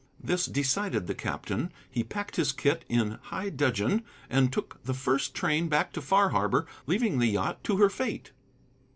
This decided the captain, he packed his kit in high dudgeon, and took the first train back to Far Harbor, leaving the yacht to her fate.